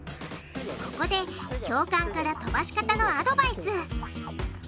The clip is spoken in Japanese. ここで教官から飛ばし方のアドバイス。